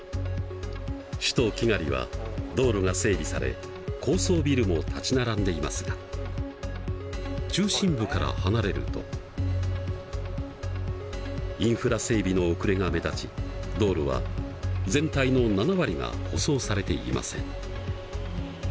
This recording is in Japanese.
首都キガリは道路が整備され高層ビルも立ち並んでいますが中心部から離れるとインフラ整備の遅れが目立ち道路は全体の７割が舗装されていません。